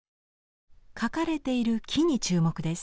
描かれている木に注目です。